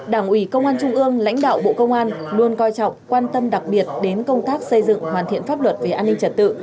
đảng ủy công an trung ương lãnh đạo bộ công an luôn coi trọng quan tâm đặc biệt đến công tác xây dựng hoàn thiện pháp luật về an ninh trật tự